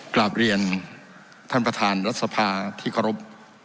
กลับเรียนท่านประธานรัฐสภาที่เคารพ